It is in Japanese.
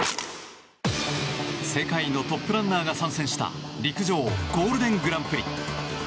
世界のトップランナーが参戦した陸上ゴールデングランプリ。